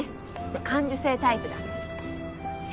感受性タイプだ。